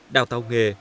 đào tạo nghề